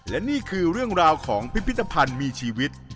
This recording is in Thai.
และนี่คือเรื่องราวของพิพิธภัณฑ์มีชีวิต